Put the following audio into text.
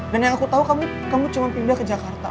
dan yang aku tau kamu cuma pindah ke jakarta